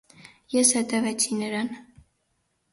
Ես հետևեցի նրան: